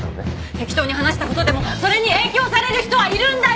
適当に話した事でもそれに影響される人はいるんだよ！